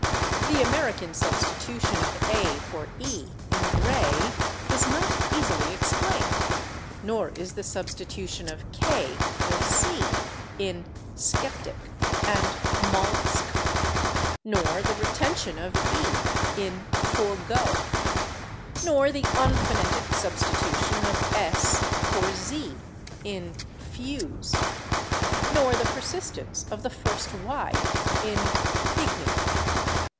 The American substitution of /a/ for /e/ in /gray/ is not easily explained, nor is the substitution of /k/ for /c/ in /skeptic/ and /mollusk/, nor the retention of /e/ in /forego/, nor the unphonetic substitution of /s/ for /z/ in /fuse/, [Pg247] nor the persistence of the first /y/ in /pygmy